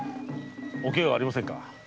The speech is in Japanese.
おケガはありませんか？